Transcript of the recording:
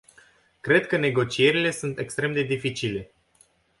Cred că negocierile sunt extrem de dificile.